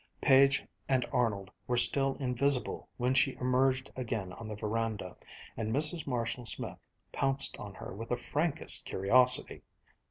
Page and Arnold were still invisible when she emerged again on the veranda, and Mrs. Marshall Smith pounced on her with the frankest curiosity.